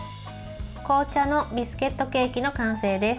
紅茶のビスケットケーキの完成です。